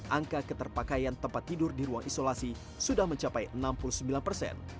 angka keterpakaian tempat tidur di ruang isolasi sudah mencapai enam puluh sembilan persen